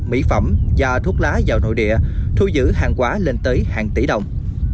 mỹ phẩm và thuốc lá vào nội địa thu giữ hàng quá lên tới hàng tỷ đồng